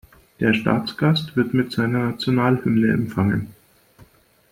Der Staatsgast wird mit seiner Nationalhymne empfangen.